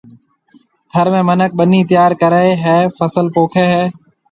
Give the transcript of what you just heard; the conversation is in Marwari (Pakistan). ٿر ۾ مِنک ٻنيَ تيار ڪرَي فصل پوکيَ ھيََََ